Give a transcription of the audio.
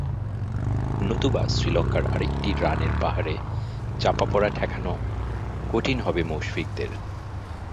নতুবা শ্রীলঙ্কার আরেকটি রানের পাহাড়ে চাপা পড়া ঠেকানো কঠিন হবে মুশফিকদের।